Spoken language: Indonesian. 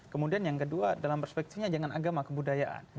kemudian yang kedua dalam perspektifnya jangan agama kebudayaan